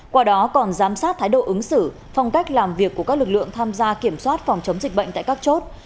qua đó còn giám sát thái độ ứng xử phong cách làm việc của các lực lượng tham gia kiểm soát phòng chống dịch bệnh tại các chốt